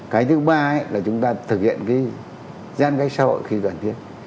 cái thứ ba là chúng ta thực hiện gian cách xã hội khi cần thiết